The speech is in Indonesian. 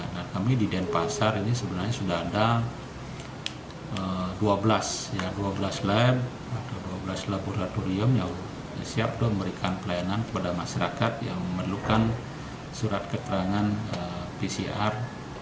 dan kami di denpasar ini sebenarnya sudah ada dua belas lab atau dua belas laboratorium yang siap memberikan pelayanan kepada masyarakat yang memerlukan surat keterangan pcr